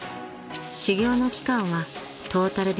［修業の期間はトータルで８年］